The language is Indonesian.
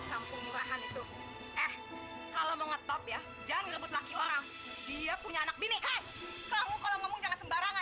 kamu siapa pagi pagi udah gedor gedor orang